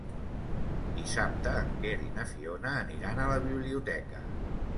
Dissabte en Quer i na Fiona aniran a la biblioteca.